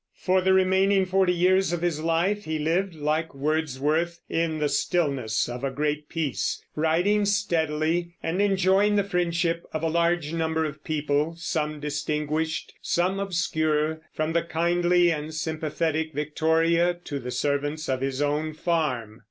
For the remaining forty years of his life he lived, like Wordsworth, "in the stillness of a great peace," writing steadily, and enjoying the friendship of a large number of people, some distinguished, some obscure, from the kindly and sympathetic Victoria to the servants on his own farm.